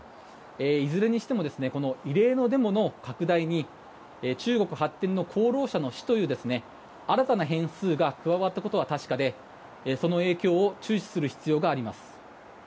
いずれにしても異例のデモの拡大に中国発展の功労者の死という新たな変数が加わったことは確かでその影響を注視する必要があります。